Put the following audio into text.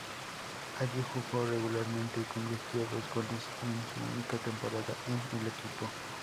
Allí jugó regularmente y convirtió dos goles en su única temporada en el equipo.